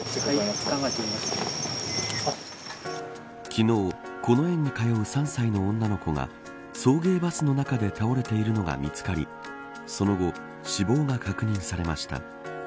昨日、この園に通う３歳の女の子が送迎バスの中で倒れているのが見つかりその後、死亡が確認されました。